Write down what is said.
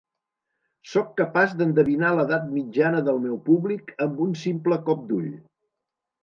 Sóc capaç d'endevinar l'edat mitjana del meu públic amb un simple cop d'ull.